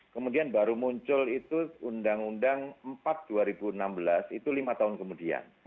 kemudian baru muncul itu undang undang empat dua ribu enam belas itu lima tahun kemudian